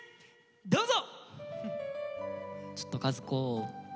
どうぞ！